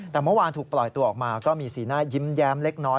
แต่เมื่อวานถูกปล่อยตัวออกมาก็มีสีหน้ายิ้มแย้มเล็กน้อย